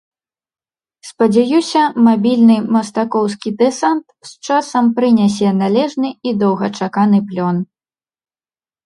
Спадзяюся, мабільны мастакоўскі дэсант з часам прынясе належны і доўгачаканы плён.